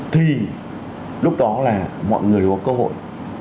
thì lúc đó là mọi người có cơ hội